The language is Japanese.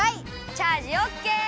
チャージオッケー！